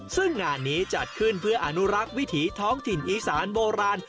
ซึ่งงานนี้จัดขึ้นเพื่ออนุรักษ์วิถีท้องถิ่นอีสานโบราณ